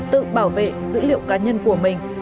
tự bảo vệ dữ liệu cá nhân của mình